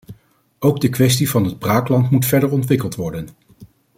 Ook de kwestie van het braakland moet verder ontwikkeld worden.